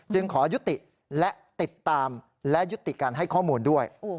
ขอยุติและติดตามและยุติการให้ข้อมูลด้วย